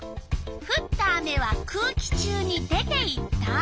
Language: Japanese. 「ふった雨は空気中に出ていった」。